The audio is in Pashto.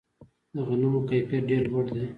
د غنمو کیفیت ډیر لوړ دی.